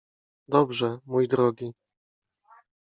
— Dobrze, mój drogi.